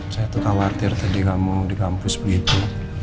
saya tuh khawatir tadi kamu di kampus begitu